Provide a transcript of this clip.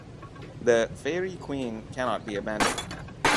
The "Faerie Queene" cannot be abandoned.